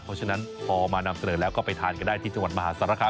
เพราะฉะนั้นพอมานำเสนอแล้วก็ไปทานกันได้ที่จังหวัดมหาสารคาม